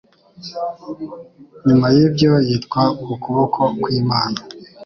Nyuma y’ibyo Yitwa Ukuboko kwImana